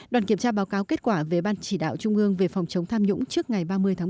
đoàn kiểm tra báo cáo kết quả về ban chỉ đạo trung ương về phòng chống tham nhũng trước ngày ba mươi tháng một mươi